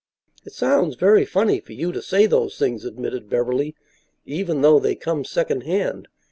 "It sounds very funny for you to say those things," admitted Beverly, "even though they come secondhand.